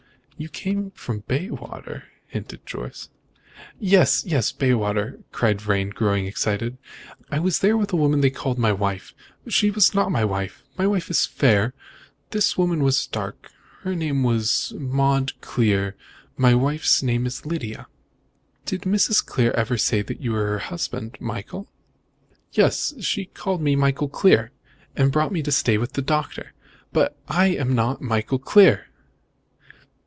"You came here from Bayswater," hinted Jorce. "Yes, yes, Bayswater!" cried Vrain, growing excited. "I was there with a woman they called my wife. She was not my wife! My wife is fair, this woman was dark. Her name was Maud Clear: my wife's name is Lydia." "Did Mrs. Clear say you were her husband, Michael?" "Yes. She called me Michael Clear, and brought me to stay with the doctor. But I am not Michael Clear!"